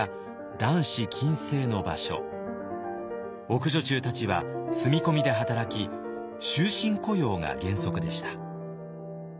奥女中たちは住み込みで働き終身雇用が原則でした。